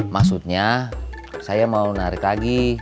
maksudnya saya mau narik lagi